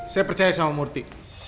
saya percaya sama murthy